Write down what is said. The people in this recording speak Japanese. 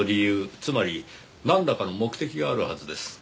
つまりなんらかの目的があるはずです。